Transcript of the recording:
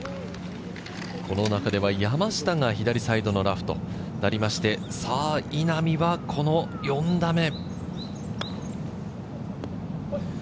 この中では山下が左サイドのラフとなりまして、稲見は４打目。